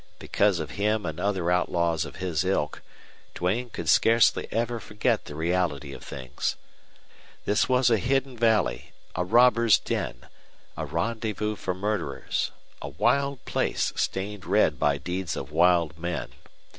Because of him and other outlaws of his ilk Duane could scarcely ever forget the reality of things. This was a hidden valley, a robbers' den, a rendezvous for murderers, a wild place stained red by deeds of wild men.